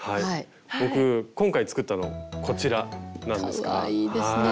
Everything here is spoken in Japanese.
僕今回作ったのこちらなんですが。